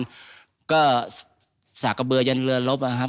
ทั้งบัตถานก็สากเบือเย็นเงินรบอะครับ